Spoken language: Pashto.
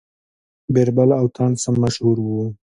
بیربل او تانسن مشهور وو.